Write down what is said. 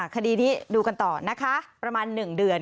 คดีนี้ให้ดูกันต่อนะคะประมาณหนึ่งเดือน